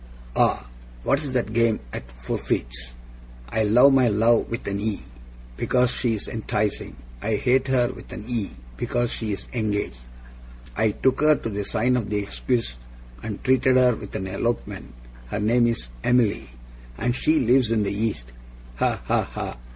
Ah! What's that game at forfeits? I love my love with an E, because she's enticing; I hate her with an E, because she's engaged. I took her to the sign of the exquisite, and treated her with an elopement, her name's Emily, and she lives in the east? Ha! ha!